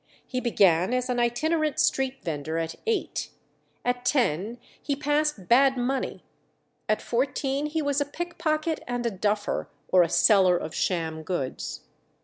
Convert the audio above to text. He began as an itinerant street vendor at eight, at ten he passed bad money, at fourteen he was a pickpocket and a "duffer," or a seller of sham goods.